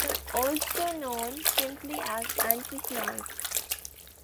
Also known simply as "anti-snipe".